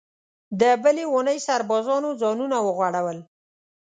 د بلې اوونۍ سربازانو ځانونه وغوړول.